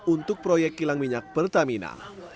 untuk proyek kilang minyak pertamina